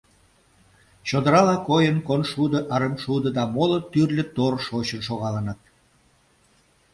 Чодырала койын, коншудо, арымшудо да моло тӱрлӧ тор шочын шогалыныт.